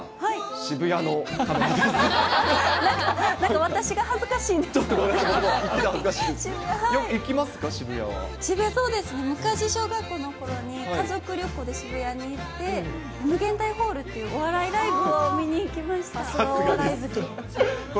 渋谷、そうですね、昔、小学生のころに家族旅行で渋谷に行って、むげんだいホールっていうお笑いライブを見に行きました。